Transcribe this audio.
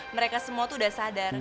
mereka semua tuh udah sadar